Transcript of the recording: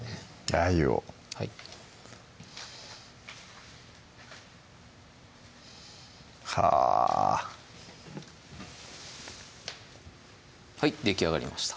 ラー油をはぁはいできあがりました